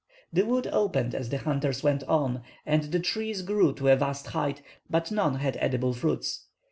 The wood opened as the hunters went on, and the trees grew to a vast height, but none had edible fruits.